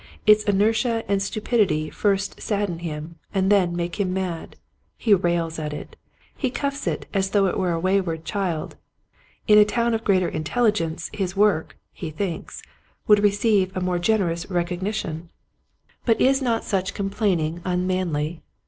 Its inertia and stupidity first sadden him and then make him mad. He rails at it. He cuffs it as though it were a wayward child. In a town of greater intelligence his work, he thinks, would receive a more generous recognition ! Clerical Hamlets. 69 But is not such complaining unmanly